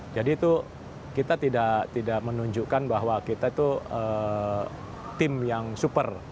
jadi itu kita tidak menunjukkan bahwa kita itu tim yang super